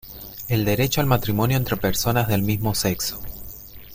El derecho al matrimonio entre personas del mismo sexo.